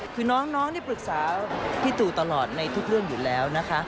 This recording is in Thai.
คือน้องนี่ปรึกษาพี่ตูตลอดในทุกเรื่องอยู่แล้วนะคะ